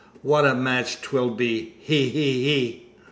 what a match 'twill be! He! he!"